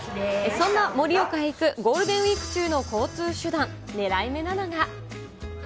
そんな盛岡へ行くゴールデンウィーク中の交通手段、ねらい目なのが。